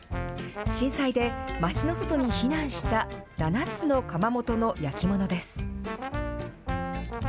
震災で町の外に避難した７つの窯元の焼き物です。